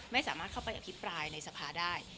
ไม่สามารถเข้าไปอภิปรายในสภาได้